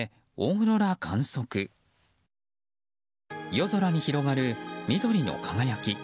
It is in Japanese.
夜空に広がる緑の輝き。